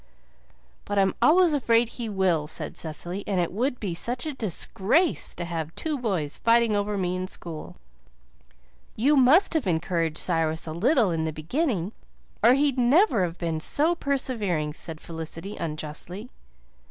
"But I'm always afraid he will," said Cecily, "and it would be such a DISGRACE to have two boys fighting over me in school." "You must have encouraged Cyrus a little in the beginning or he'd never have been so persevering," said Felicity unjustly.